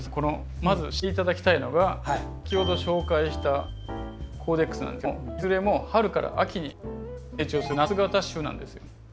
まず知って頂きたいのが先ほど紹介したコーデックスなんですけどもいずれも春から秋に成長する夏型種なんですよ。